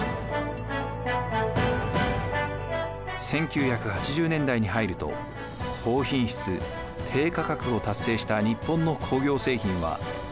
１９８０年代に入ると高品質低価格を達成した日本の工業製品は世界中に進出。